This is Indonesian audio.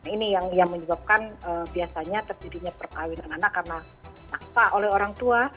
ini yang menyebabkan biasanya terjadinya perkawinan anak karena takpa oleh orang tua